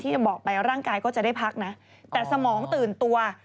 จะบอกไปร่างกายก็จะได้พักนะแต่สมองตื่นตัว